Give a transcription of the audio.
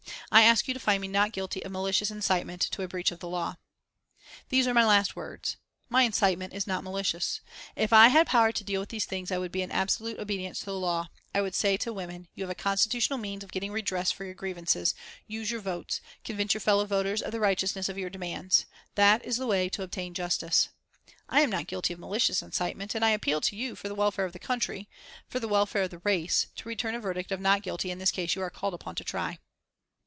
I ask you to find me not guilty of malicious incitement to a breach of the law. "These are my last words. My incitement is not malicious. If I had power to deal with these things, I would be in absolute obedience to the law. I would say to women, 'You have a constitutional means of getting redress for your grievances; use your votes, convince your fellow voters of the righteousness of your demands. That is the way to obtain justice.' I am not guilty of malicious incitement, and I appeal to you, for the welfare of the country, for the welfare of the race, to return a verdict of not guilty in this case that you are called upon to try."